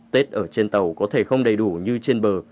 tết ở trên tàu có thể không đầy đủ như trên bờ